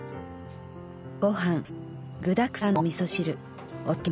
ごはん具だくさんのおみそ汁お漬物。